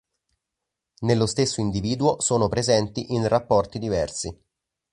Nello stesso individuo sono presenti in rapporti diversi.